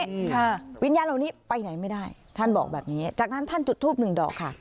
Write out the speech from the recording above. ค่ะวิญญาณเหล่านี้ไปไหนไม่ได้ท่านบอกแบบนี้จากนั้นท่านจุดทูปหนึ่งดอกค่ะ